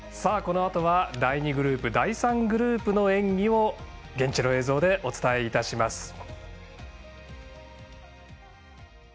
このあとは第２グループ第３グループの演技を現地の映像でお伝えいたします。